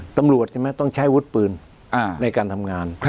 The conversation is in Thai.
ตำรวจใช่ไหมต้องใช้วุฒิปืนในการทำงาน